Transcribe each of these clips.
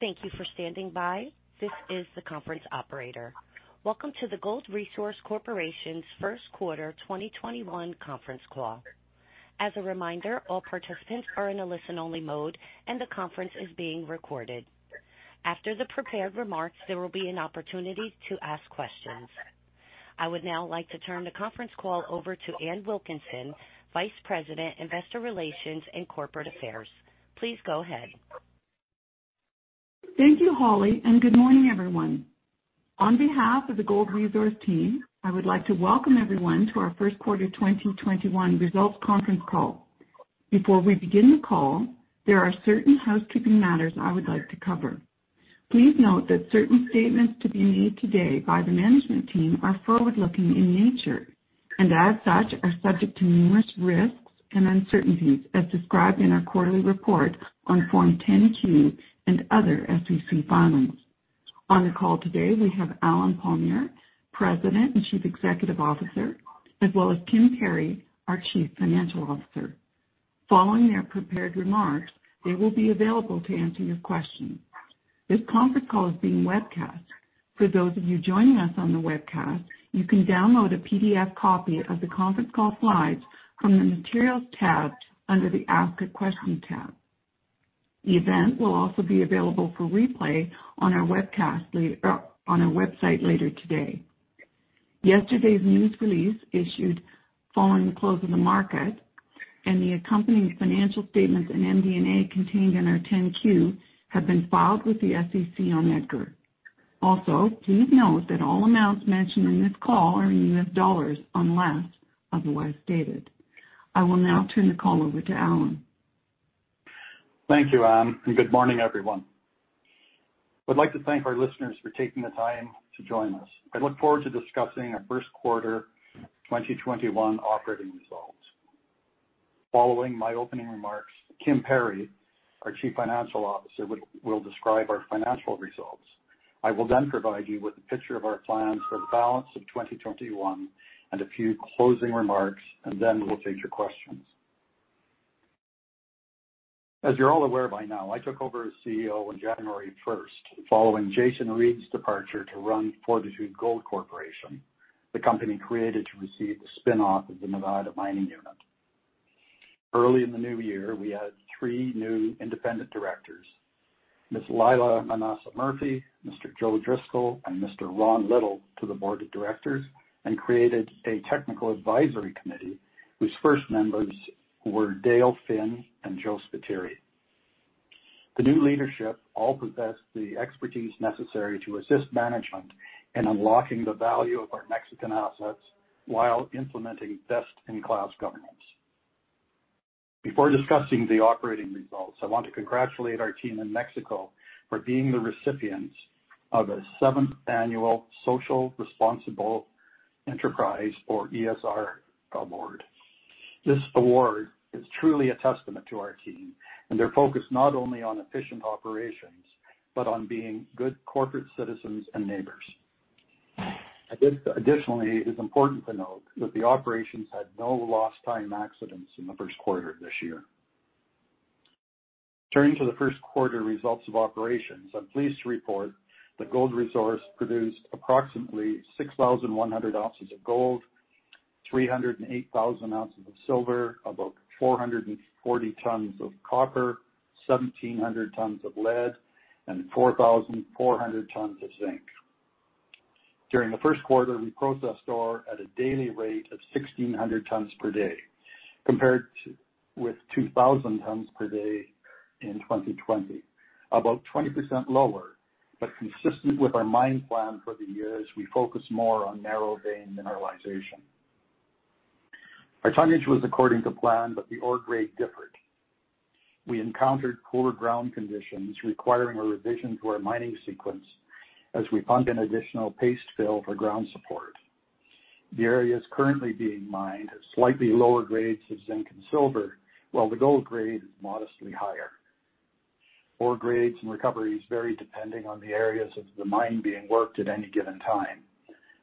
Thank you for standing by. This is the conference operator. Welcome to the Gold Resource Corporation's first quarter 2021 conference call. As a reminder, all participants are in a listen-only mode, and the conference is being recorded. After the prepared remarks, there will be an opportunity to ask questions. I would now like to turn the conference call over to Ann Wilkinson, Vice President, Investor Relations and Corporate Affairs. Please go ahead. Thank you, Holly, and good morning, everyone. On behalf of the Gold Resource team, I would like to welcome everyone to our first quarter 2021 results conference call. Before we begin the call, there are certain housekeeping matters I would like to cover. Please note that certain statements to be made today by the management team are forward-looking in nature and, as such, are subject to numerous risks and uncertainties, as described in our quarterly report on Form 10-Q and other SEC filings. On the call today, we have Allen Palmiere, President and Chief Executive Officer, as well as Kim Perry, our Chief Financial Officer. Following their prepared remarks, they will be available to answer your questions. This conference call is being webcast. For those of you joining us on the webcast, you can download a PDF copy of the conference call slides from the Materials tab under the Ask a Question tab. The event will also be available for replay on our website later today. Yesterday's news release issued following the close of the market, and the accompanying financial statements and MD&A contained in our 10-Q have been filed with the SEC on Edgar. Also, please note that all amounts mentioned in this call are in US dollars unless otherwise stated. I will now turn the call over to Allen. Thank you, Ann. Good morning, everyone. I'd like to thank our listeners for taking the time to join us. I look forward to discussing our first quarter 2021 operating results. Following my opening remarks, Kim Perry, our Chief Financial Officer, will describe our financial results. I will then provide you with a picture of our plans for the balance of 2021 and a few closing remarks, and then we'll take your questions. As you're all aware by now, I took over as CEO on January 1st following Jason Reid's departure to run Fortitude Gold Corporation, the company created to receive the spin off of the Nevada Mining Unit. Early in the new year, we added three new independent directors: Ms. Lila Manassa Murphy, Mr. Joe Driscoll, and Mr. Ron Little to the board of directors, and created a technical advisory committee whose first members were Dale Finn and Joe Spitieri. The new leadership all possess the expertise necessary to assist management in unlocking the value of our Mexican assets while implementing best-in-class governance. Before discussing the operating results, I want to congratulate our team in Mexico for being the recipients of a seventh annual Social Responsible Enterprise, or ESR, award. This award is truly a testament to our team, and they're focused not only on efficient operations but on being good corporate citizens and neighbors. Additionally, it is important to note that the operations had no lost-time accidents in the first quarter of this year. Turning to the first quarter results of operations, I'm pleased to report that Gold Resource produced approximately 6,100 ounces of gold, 308,000 ounces of silver, about 440 tons of copper, 1,700 tons of lead, and 4,400 tons of zinc. During the first quarter, we processed ore at a daily rate of 1,600 tons per day, compared with 2,000 tons per day in 2020, about 20% lower, but consistent with our mine plan for the year as we focus more on narrow-vein mineralization. Our tonnage was according to plan, but the ore grade differed. We encountered poor ground conditions requiring a revision to our mining sequence as we pumped an additional paste fill for ground support. The areas currently being mined have slightly lower grades of zinc and silver, while the gold grade is modestly higher. Ore grades and recoveries vary depending on the areas of the mine being worked at any given time.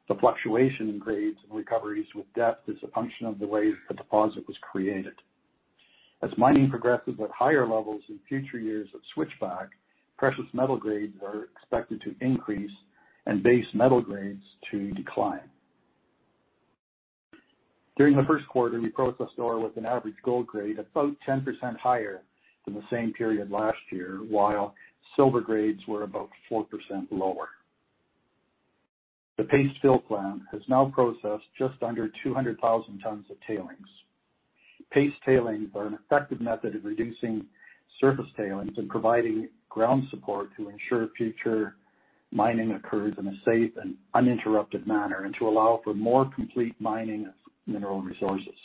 The fluctuation in grades and recoveries with depth is a function of the way the deposit was created. As mining progresses at higher levels in future years of Switchback, precious metal grades are expected to increase and base metal grades to decline. During the first quarter, we processed ore with an average gold grade about 10% higher than the same period last year, while silver grades were about 4% lower. The paste fill plant has now processed just under 200,000 tons of tailings. Paste tailings are an effective method of reducing surface tailings and providing ground support to ensure future mining occurs in a safe and uninterrupted manner and to allow for more complete mining of mineral resources.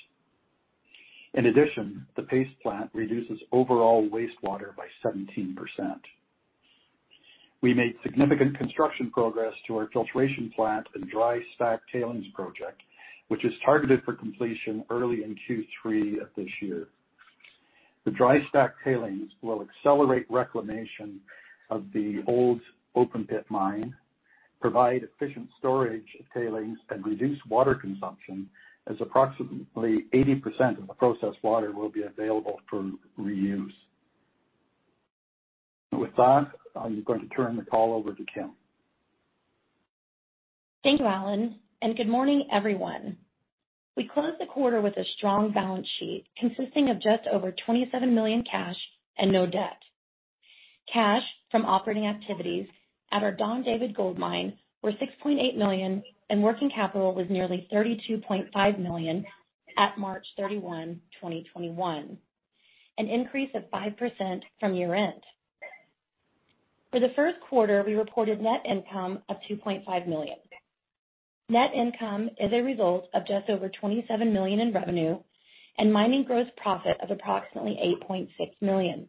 In addition, the paste plant reduces overall wastewater by 17%. We made significant construction progress to our filtration plant and dry stack tailings project, which is targeted for completion early in Q3 of this year. The dry stack tailings will accelerate reclamation of the old open-pit mine, provide efficient storage of tailings, and reduce water consumption as approximately 80% of the processed water will be available for reuse. With that, I'm going to turn the call over to Kim. Thank you, Allen. Good morning, everyone. We closed the quarter with a strong balance sheet consisting of just over $27 million cash and no debt. Cash from operating activities at our Don David Gold Mine were $6.8 million, and working capital was nearly $32.5 million at March 31, 2021, an increase of 5% from year-end. For the first quarter, we reported net income of $2.5 million. Net income is a result of just over $27 million in revenue and mining gross profit of approximately $8.6 million.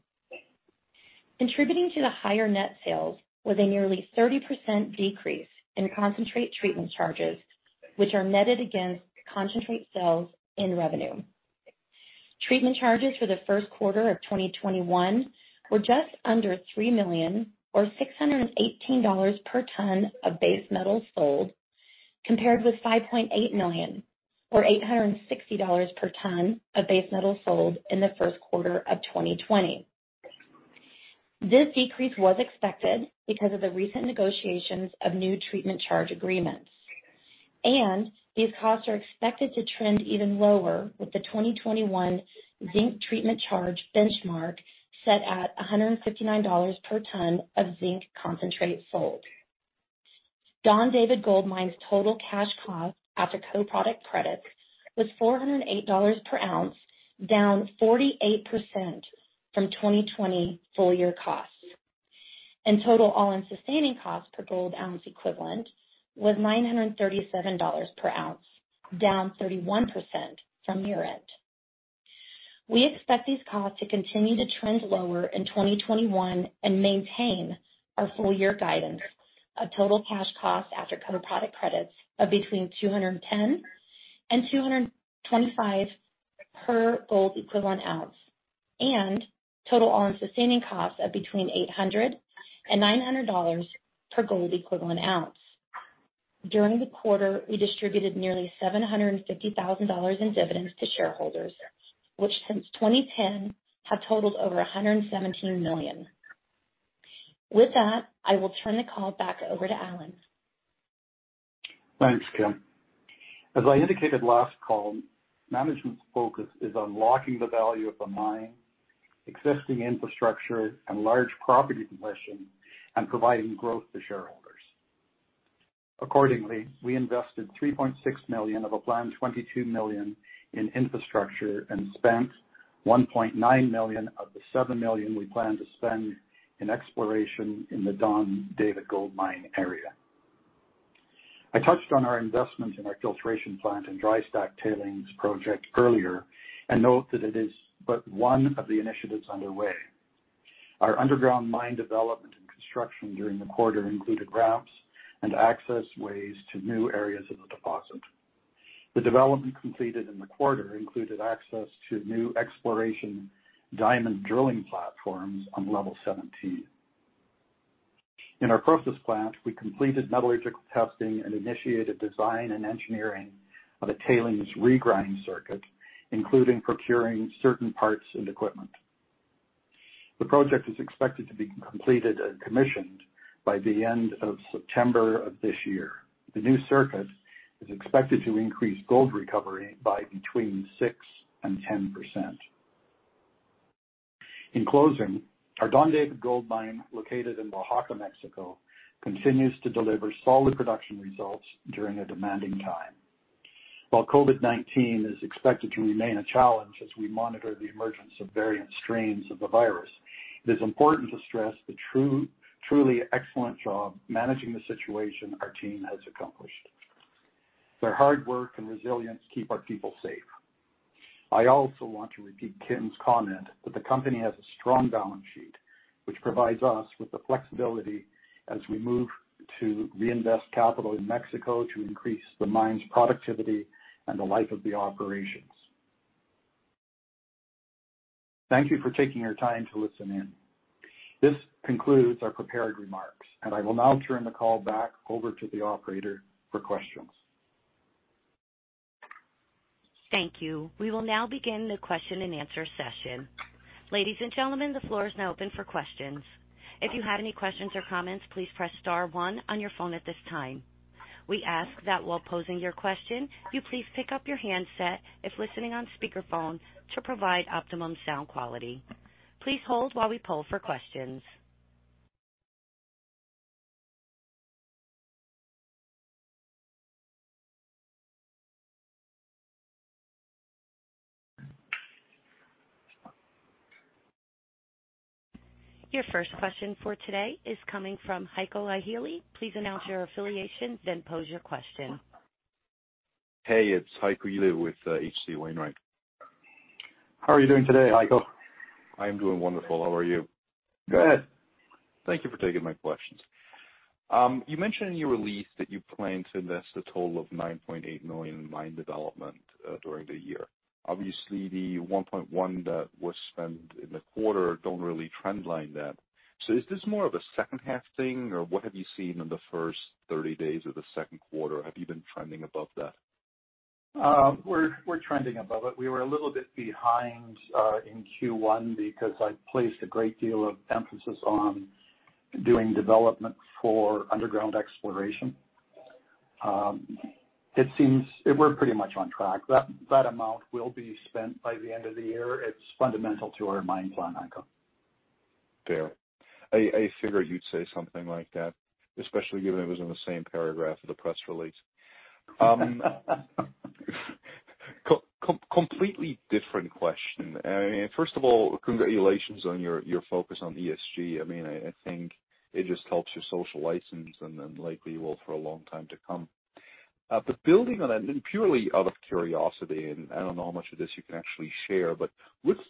Contributing to the higher net sales was a nearly 30% decrease in concentrate treatment charges, which are netted against concentrate sales in revenue. Treatment charges for the first quarter of 2021 were just under $3 million, or $618 per ton of base metals sold, compared with $5.8 million, or $860 per ton of base metals sold in the first quarter of 2020. This decrease was expected because of the recent negotiations of new treatment charge agreements, and these costs are expected to trend even lower with the 2021 zinc treatment charge benchmark set at $159 per ton of zinc concentrate sold. Don David Gold Mine's total cash cost after co-product credits was $408 per ounce, down 48% from 2020 full year costs. Total all-in sustaining cost per gold ounce equivalent was $937 per ounce, down 31% from year-end. We expect these costs to continue to trend lower in 2021 and maintain our full year guidance of total cash cost after co-product credits of between $210 and $225 per gold equivalent ounce, and total all-in sustaining costs of between $800 and $900 per gold equivalent ounce. During the quarter, we distributed nearly $750,000 in dividends to shareholders, which since 2010 have totaled over $117 million. With that, I will turn the call back over to Allen. Thanks, Kim. As I indicated last call, management's focus is on locking the value of the mine, existing infrastructure, and large property possession and providing growth to shareholders. Accordingly, we invested $3.6 million of a planned $22 million in infrastructure and spent $1.9 million of the $7 million we plan to spend in exploration in the Don David Gold Mine area. I touched on our investment in our filtration plant and dry stack tailings project earlier and note that it is but one of the initiatives underway. Our underground mine development and construction during the quarter included ramps and access ways to new areas of the deposit. The development completed in the quarter included access to new exploration diamond drilling platforms on level 17. In our process plant, we completed metallurgical testing and initiated design and engineering of a tailings regrind circuit, including procuring certain parts and equipment. The project is expected to be completed and commissioned by the end of September of this year. The new circuit is expected to increase gold recovery by between 6% and 10%. In closing, our Don David Gold Mine, located in Oaxaca, Mexico, continues to deliver solid production results during a demanding time. While COVID-19 is expected to remain a challenge as we monitor the emergence of variant strains of the virus, it is important to stress the truly excellent job managing the situation our team has accomplished. Their hard work and resilience keep our people safe. I also want to repeat Kim's comment that the company has a strong balance sheet, which provides us with the flexibility as we move to reinvest capital in Mexico to increase the mine's productivity and the life of the operations. Thank you for taking your time to listen in. This concludes our prepared remarks, and I will now turn the call back over to the operator for questions. Thank you. We will now begin the question and answer session. Ladies and gentlemen, the floor is now open for questions. If you have any questions or comments, please press star one on your phone at this time. We ask that while posing your question, you please pick up your handset if listening on speakerphone to provide optimum sound quality. Please hold while we poll for questions. Your first question for today is coming from Heiko Ihle. Please announce your affiliation, then pose your question. Hey, it's Heiko Ihle with HC Wainwright. How are you doing today, Heiko? I am doing wonderful. How are you? Good. Thank you for taking my questions. You mentioned in your release that you plan to invest a total of $9.8 million in mine development during the year. Obviously, the $1.1 million that was spent in the quarter does not really trendline that. Is this more of a second-half thing, or what have you seen in the first 30 days of the second quarter? Have you been trending above that? We're trending above it. We were a little bit behind in Q1 because I placed a great deal of emphasis on doing development for underground exploration. It seems we're pretty much on track. That amount will be spent by the end of the year. It's fundamental to our mine plan, Heiko. Fair. I figured you'd say something like that, especially given it was in the same paragraph of the press release. Completely different question. First of all, congratulations on your focus on ESG. I mean, I think it just helps your social license and then likely will for a long time to come. Building on that, purely out of curiosity, and I don't know how much of this you can actually share, what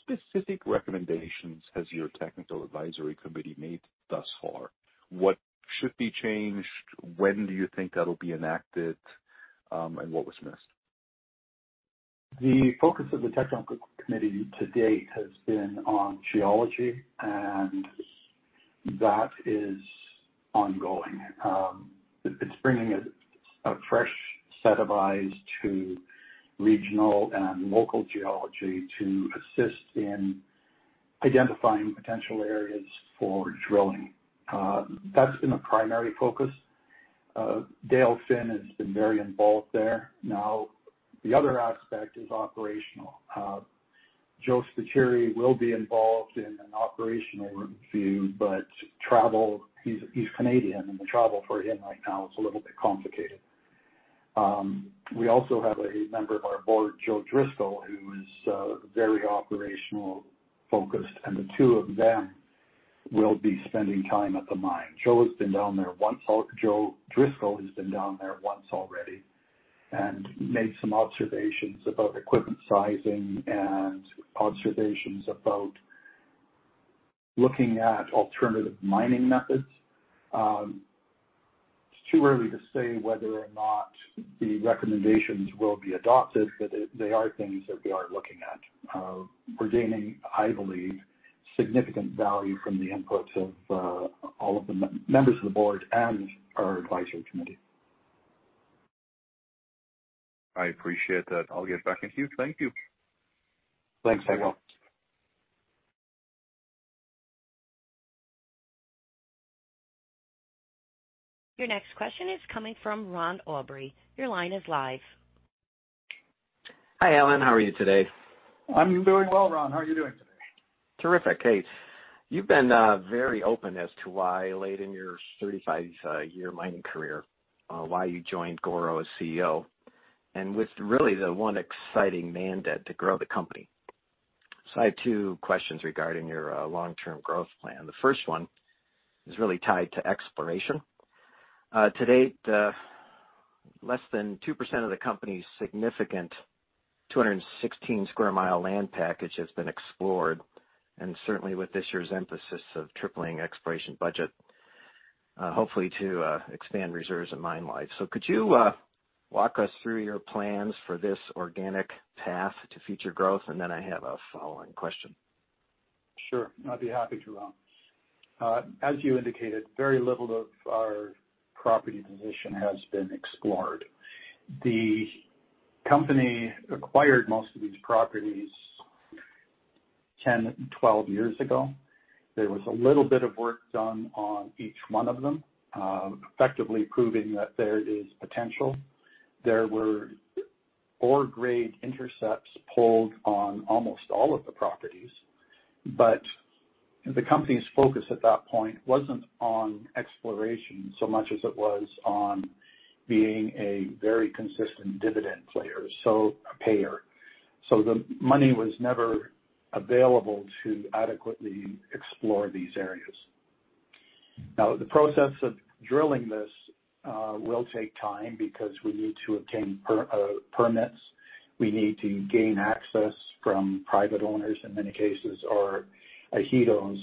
specific recommendations has your technical advisory committee made thus far? What should be changed? When do you think that'll be enacted, and what was missed? The focus of the technical committee to date has been on geology, and that is ongoing. It's bringing a fresh set of eyes to regional and local geology to assist in identifying potential areas for drilling. That's been the primary focus. Dale Finn has been very involved there. Now, the other aspect is operational. Joe Spitieri will be involved in an operational review, but he's Canadian, and the travel for him right now is a little bit complicated. We also have a member of our board, Joe Driscoll, who is very operational-focused, and the two of them will be spending time at the mine. Joe has been down there once. Joe Driscoll has been down there once already and made some observations about equipment sizing and observations about looking at alternative mining methods. It's too early to say whether or not the recommendations will be adopted, but they are things that we are looking at. We're gaining, I believe, significant value from the inputs of all of the members of the board and our advisory committee. I appreciate that. I'll get back to you. Thank you. Thanks, Heiko. Your next question is coming from Ron Aubrey. Your line is live. Hi, Allen. How are you today? I'm doing well, Ron. How are you doing today? Terrific. Hey, you've been very open as to why, late in your 35-year mining career, why you joined GORO as CEO and with really the one exciting mandate to grow the company. I have two questions regarding your long-term growth plan. The first one is really tied to exploration. To date, less than 2% of the company's significant 216 sq mi land package has been explored, and certainly with this year's emphasis of tripling exploration budget, hopefully to expand reserves and mine life. Could you walk us through your plans for this organic path to future growth? I have a following question. Sure. I'd be happy to, Ron. As you indicated, very little of our property position has been explored. The company acquired most of these properties 10, 12 years ago. There was a little bit of work done on each one of them, effectively proving that there is potential. There were ore-grade intercepts pulled on almost all of the properties, but the company's focus at that point was not on exploration so much as it was on being a very consistent dividend payer. The money was never available to adequately explore these areas. Now, the process of drilling this will take time because we need to obtain permits. We need to gain access from private owners in many cases or ahead of time.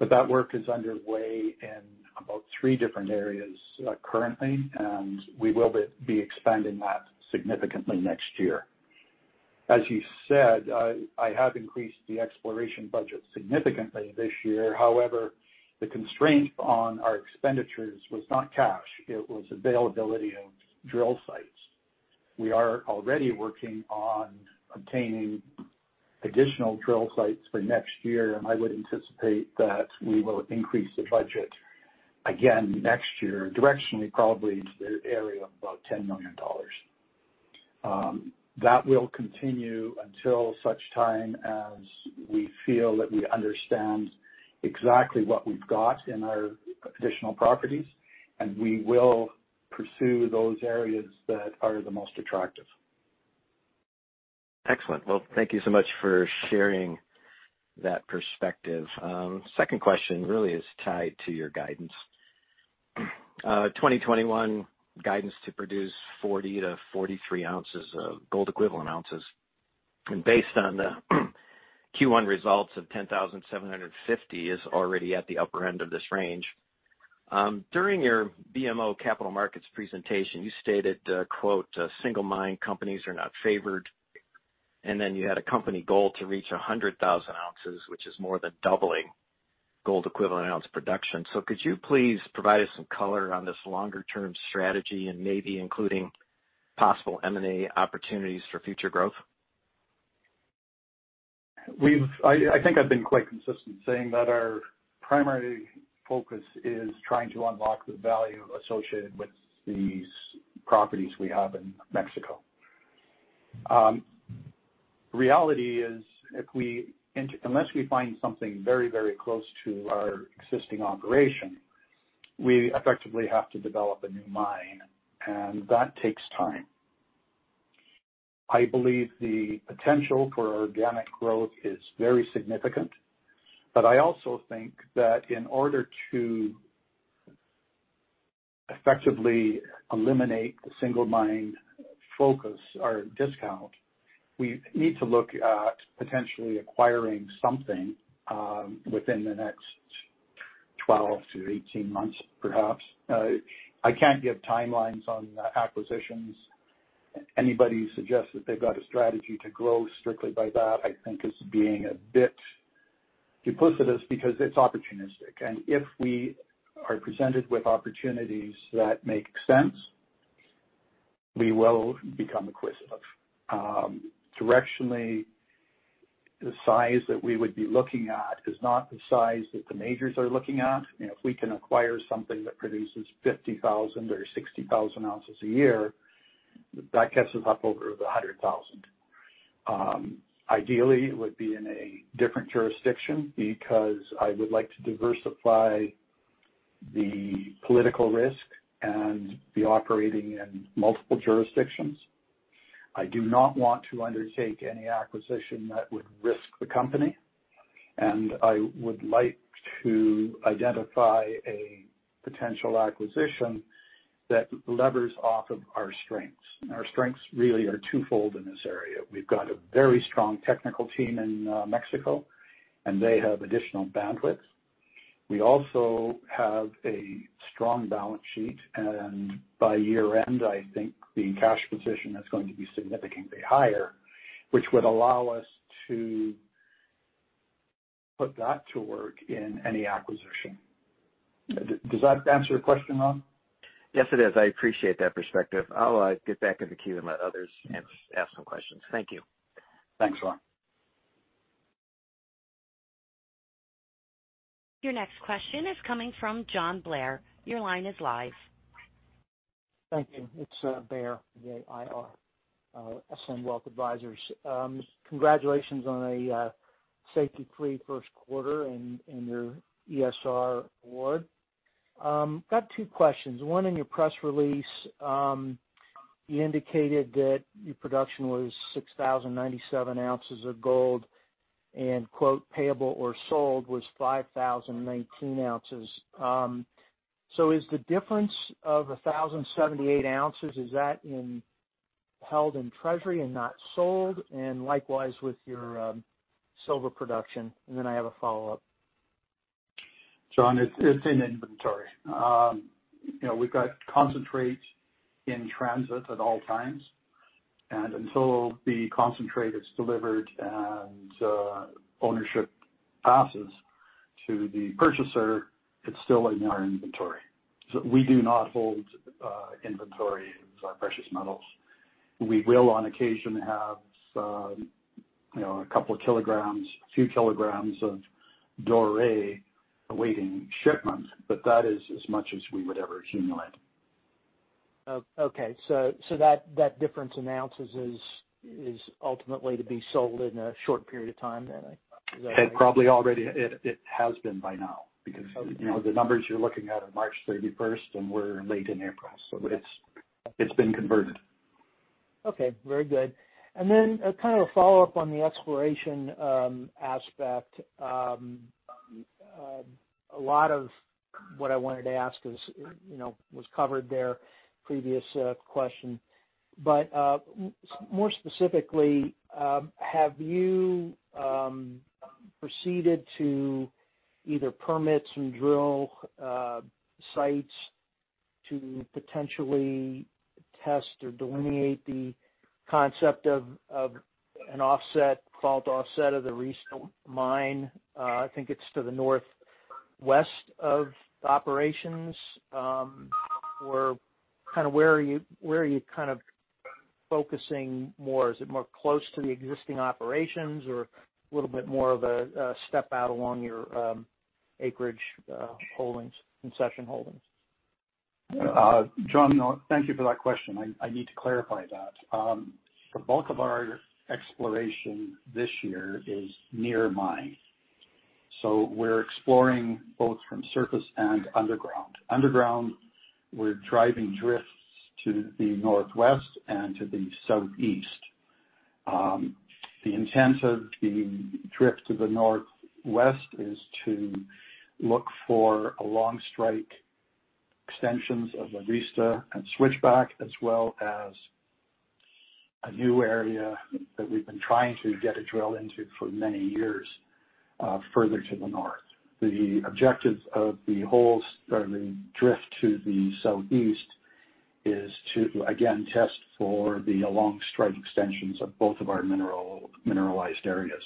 That work is underway in about three different areas currently, and we will be expanding that significantly next year. As you said, I have increased the exploration budget significantly this year. However, the constraint on our expenditures was not cash. It was availability of drill sites. We are already working on obtaining additional drill sites for next year, and I would anticipate that we will increase the budget again next year, directionally probably to the area of about $10 million. That will continue until such time as we feel that we understand exactly what we've got in our additional properties, and we will pursue those areas that are the most attractive. Excellent. Thank you so much for sharing that perspective. Second question really is tied to your guidance. 2021 guidance to produce 40,000-43,000 ounces of gold equivalent ounces. Based on the Q1 results of 10,750, it is already at the upper end of this range. During your BMO Capital Markets presentation, you stated, "A single mine companies are not favored," and you had a company goal to reach 100,000 ounces, which is more than doubling gold equivalent ounce production. Could you please provide us some color on this longer-term strategy and maybe including possible M&A opportunities for future growth? I think I've been quite consistent in saying that our primary focus is trying to unlock the value associated with these properties we have in Mexico. The reality is, unless we find something very, very close to our existing operation, we effectively have to develop a new mine, and that takes time. I believe the potential for organic growth is very significant, but I also think that in order to effectively eliminate the single mine focus or discount, we need to look at potentially acquiring something within the next 12-18 months, perhaps. I can't give timelines on acquisitions. Anybody who suggests that they've got a strategy to grow strictly by that, I think, is being a bit duplicitous because it's opportunistic. If we are presented with opportunities that make sense, we will become acquisitive. Directionally, the size that we would be looking at is not the size that the majors are looking at. If we can acquire something that produces 50,000 or 60,000 ounces a year, that gets us up over the 100,000. Ideally, it would be in a different jurisdiction because I would like to diversify the political risk and be operating in multiple jurisdictions. I do not want to undertake any acquisition that would risk the company, and I would like to identify a potential acquisition that levers off of our strengths. Our strengths really are twofold in this area. We've got a very strong technical team in Mexico, and they have additional bandwidth. We also have a strong balance sheet, and by year-end, I think the cash position is going to be significantly higher, which would allow us to put that to work in any acquisition. Does that answer your question, Ron? Yes, it is. I appreciate that perspective. I'll get back into the queue and let others ask some questions. Thank you. Thanks, Ron. Your next question is coming from John Bair. Your line is live. Thank you. It's Bair, B-A-I-R, Ascend Wealth Advisors. Congratulations on a safety-free first quarter in your ESR award. I've got two questions. One, in your press release, you indicated that your production was 6,097 ounces of gold and "payable or sold" was 5,019 ounces. Is the difference of 1,078 ounces, is that held in treasury and not sold? Likewise with your silver production? I have a follow-up. John, it's in inventory. We've got concentrates in transit at all times, and until the concentrate is delivered and ownership passes to the purchaser, it's still in our inventory. We do not hold inventory of our precious metals. We will, on occasion, have a couple of kilograms, a few kilograms of doré awaiting shipment, but that is as much as we would ever accumulate. Okay. So that difference in ounces is ultimately to be sold in a short period of time, then? Is that right? It probably already has been by now because the numbers you're looking at are March 31, and we're late in April. So it's been converted. Okay. Very good. Kind of a follow-up on the exploration aspect. A lot of what I wanted to ask was covered there, previous question. More specifically, have you proceeded to either permit some drill sites to potentially test or delineate the concept of an offset, fault offset of the recent mine? I think it's to the northwest of operations. Where are you focusing more? Is it more close to the existing operations or a little bit more of a step out along your acreage holdings, concession holdings? John, thank you for that question. I need to clarify that. The bulk of our exploration this year is near mine. We are exploring both from surface and underground. Underground, we are driving drifts to the northwest and to the southeast. The intent of the drift to the northwest is to look for long strike extensions of the RESTA and switchback, as well as a new area that we have been trying to get a drill into for many years further to the north. The objectives of the drift to the southeast is to, again, test for the long strike extensions of both of our mineralized areas.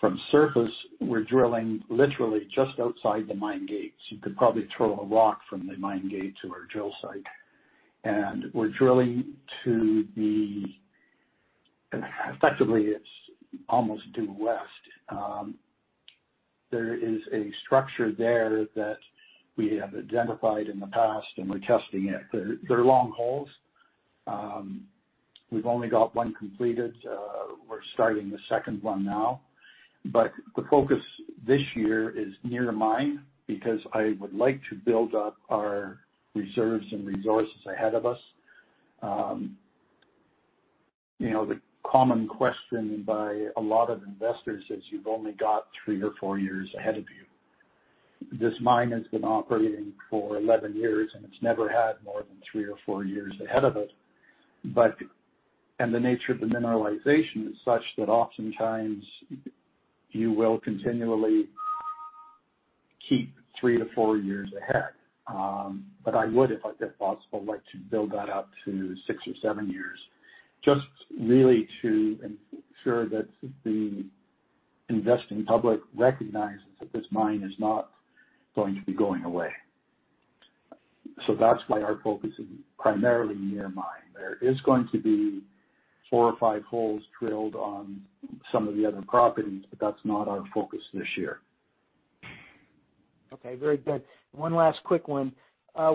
From surface, we are drilling literally just outside the mine gates. You could probably throw a rock from the mine gate to our drill site. We are drilling to the, effectively, it is almost due west. There is a structure there that we have identified in the past, and we're testing it. They're long holes. We've only got one completed. We're starting the second one now. The focus this year is near mine because I would like to build up our reserves and resources ahead of us. The common question by a lot of investors is, "You've only got three or four years ahead of you." This mine has been operating for 11 years, and it's never had more than three or four years ahead of it. The nature of the mineralization is such that oftentimes you will continually keep three to four years ahead. I would, if I could possibly build that up to six or seven years, just really to ensure that the investing public recognizes that this mine is not going to be going away. That's why our focus is primarily near mine. There is going to be four or five holes drilled on some of the other properties, but that's not our focus this year. Okay. Very good. One last quick one.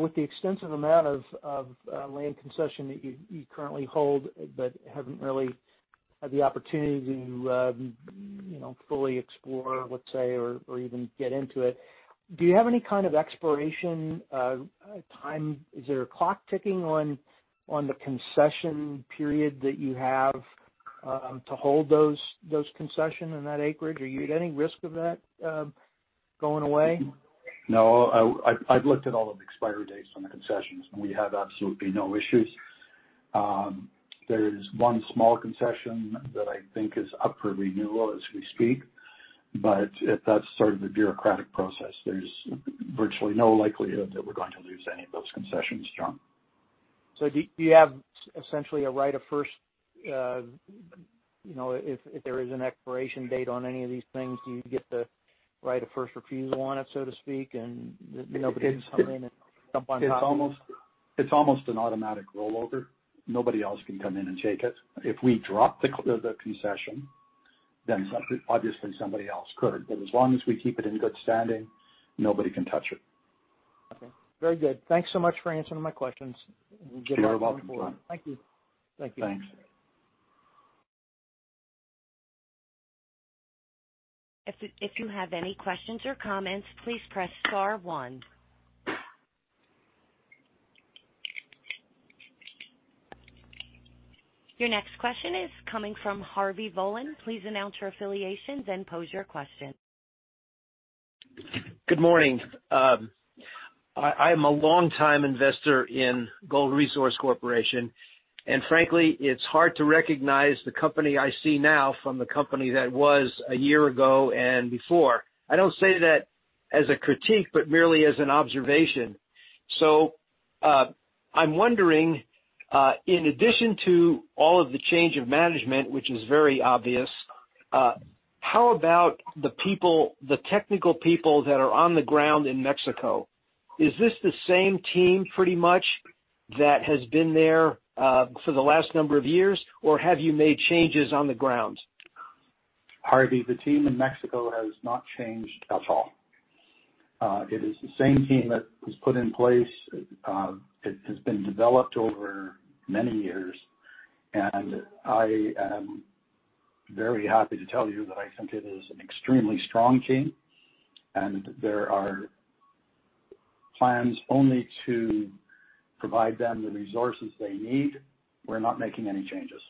With the extensive amount of land concession that you currently hold, but have not really had the opportunity to fully explore, let's say, or even get into it, do you have any kind of exploration time? Is there a clock ticking on the concession period that you have to hold those concessions in that acreage? Are you at any risk of that going away? No. I've looked at all of the expiry dates on the concessions, and we have absolutely no issues. There is one small concession that I think is up for renewal as we speak, but that's sort of a bureaucratic process. There's virtually no likelihood that we're going to lose any of those concessions, John. Do you have essentially a right of first? If there is an expiration date on any of these things, do you get the right of first refusal on it, so to speak, and nobody can come in and jump on top of it? It's almost an automatic rollover. Nobody else can come in and take it. If we drop the concession, then obviously somebody else could. As long as we keep it in good standing, nobody can touch it. Okay. Very good. Thanks so much for answering my questions. We'll get back to you in the morning. Cheer up, John. Thank you. Thank you. Thanks. If you have any questions or comments, please press star one. Your next question is coming from Harvey Volin. Please announce your affiliation, then pose your question. Good morning. I am a long-time investor in Gold Resource Corporation. Frankly, it's hard to recognize the company I see now from the company that was a year ago and before. I don't say that as a critique, but merely as an observation. I'm wondering, in addition to all of the change of management, which is very obvious, how about the technical people that are on the ground in Mexico? Is this the same team pretty much that has been there for the last number of years, or have you made changes on the ground? Harvey, the team in Mexico has not changed at all. It is the same team that was put in place. It has been developed over many years. I am very happy to tell you that I think it is an extremely strong team. There are plans only to provide them the resources they need. We're not making any changes.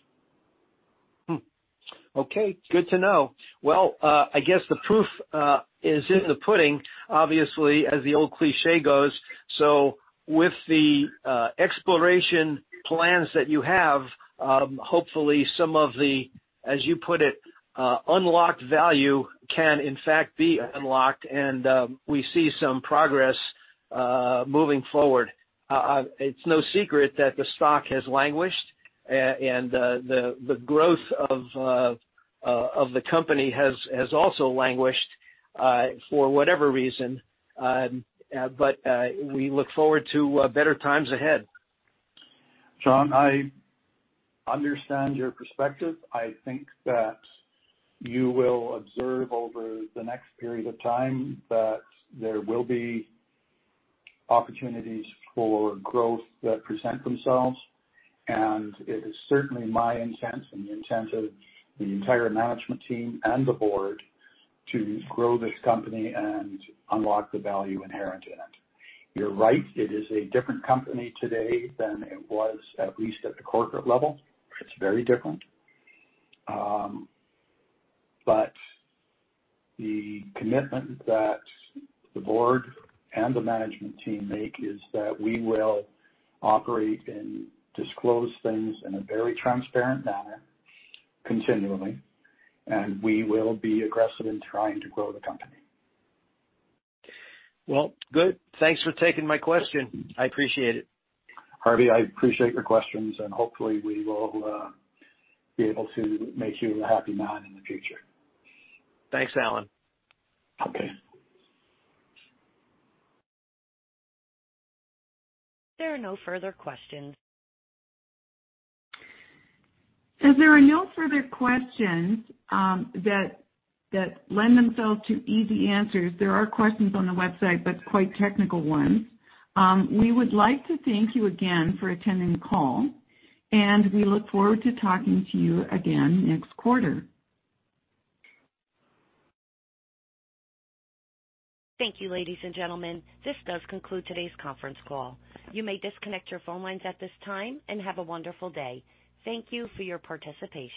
Okay. Good to know. I guess the proof is in the pudding, obviously, as the old cliché goes. With the exploration plans that you have, hopefully some of the, as you put it, unlocked value can in fact be unlocked, and we see some progress moving forward. It's no secret that the stock has languished, and the growth of the company has also languished for whatever reason. We look forward to better times ahead. John, I understand your perspective. I think that you will observe over the next period of time that there will be opportunities for growth that present themselves. It is certainly my intent and the intent of the entire management team and the board to grow this company and unlock the value inherent in it. You're right. It is a different company today than it was, at least at the corporate level. It's very different. The commitment that the board and the management team make is that we will operate and disclose things in a very transparent manner continually, and we will be aggressive in trying to grow the company. Good. Thanks for taking my question. I appreciate it. Harvey, I appreciate your questions, and hopefully we will be able to make you a happy man in the future. Thanks, Allen. There are no further questions. As there are no further questions that lend themselves to easy answers, there are questions on the website, but quite technical ones. We would like to thank you again for attending the call, and we look forward to talking to you again next quarter. Thank you, ladies and gentlemen. This does conclude today's conference call. You may disconnect your phone lines at this time and have a wonderful day. Thank you for your participation.